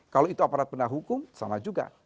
kalau itu aparat penegak hukum sama juga